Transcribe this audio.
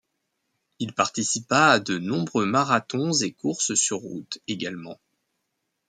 Il participa à de nombreux marathons et courses sur route également.